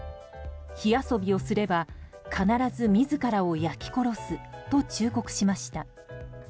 火遊びをすれば必ず自らを焼き殺すと忠告しました。